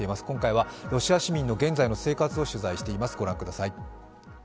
今回はロシア市民の現在の生活を取材しています。